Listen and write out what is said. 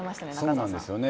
そうなんですよね。